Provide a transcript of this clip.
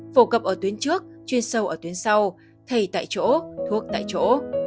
phổ cập ở tuyến trước chuyên sâu ở tuyến sau thay tại chỗ thuốc tại chỗ